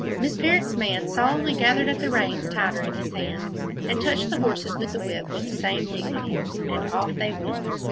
Miss Parrott's man solemnly gathered up the reins tighter in his hands, and touched the horses with the whip with the same dignity, and off they went.